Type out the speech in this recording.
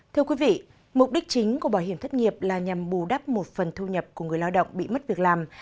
thưa quý vị mục đích chính của bảo hiểm thất nghiệp là nhằm bù đắp một phần thu nhập của người lao động bị mất việc làm